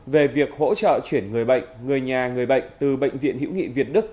về việc hỗ trợ chuyển người bệnh người nhà người bệnh từ bệnh viện hữu nghị việt đức